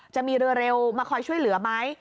จะมีเรือเร็วมาคอยช่วยเหลือไหม